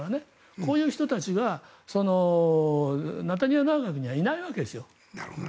こういう人たちがネタニヤフ内閣にはいないわけです。